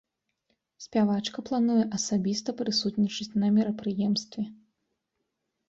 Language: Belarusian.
Спявачка плануе асабіста прысутнічаць на мерапрыемстве.